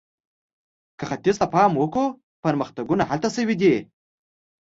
که ختیځ ته پام وکړو، پرمختګونه هلته شوي دي.